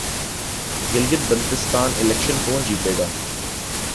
Gilgit Baltistan election کون جیتےگا